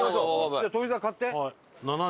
じゃあ富澤買って。